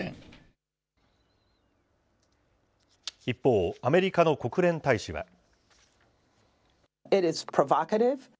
一方、アメリカの国連大使は。